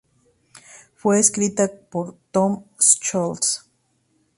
Fue escrita por Tom Scholz.